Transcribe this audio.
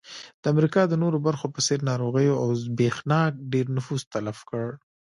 د امریکا د نورو برخو په څېر ناروغیو او زبېښاک ډېر نفوس تلف کړ.